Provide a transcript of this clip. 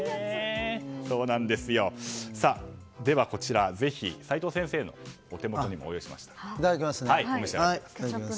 こちら、齋藤先生のお手元にもご用意しました。